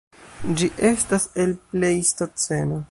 Ĝi estas el Plejstoceno.